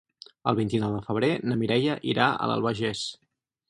El vint-i-nou de febrer na Mireia irà a l'Albagés.